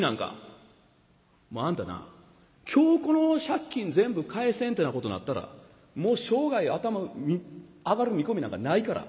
もうあんたな今日この借金全部返せんってなことなったらもう生涯頭上がる見込みなんかないから。